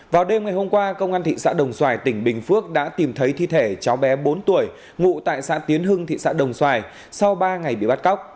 vào đêm ngày hôm qua công an thị xã đồng xoài tỉnh bình phước đã tìm thấy thi thể cháu bé bốn tuổi ngụ tại xã tiến hưng thị xã đồng xoài sau ba ngày bị bắt cóc